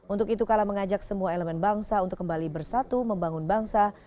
untuk itu kala mengajak semua elemen bangsa untuk kembali bersatu membangun bangsa